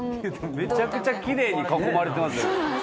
めちゃくちゃ奇麗に囲まれてますね。